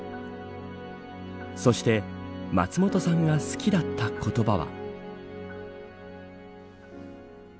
そして松本さんが好きだった言葉は。